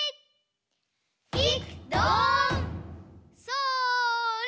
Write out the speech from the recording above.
それ。